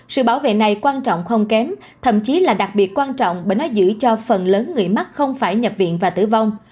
sự bảo vệ này quan trọng không kém thậm chí là đặc biệt quan trọng bởi nó giữ cho phần lớn người mắc không phải nhập viện và tử vong